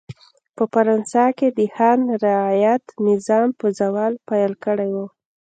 په فرانسه کې د خان رعیت نظام په زوال پیل کړی و.